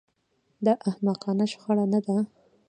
دا احمقانه شخړه نه ده